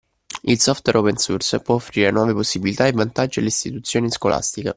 Il software open source può offrire nuove possibilità e vantaggi alle istituzioni scolastiche.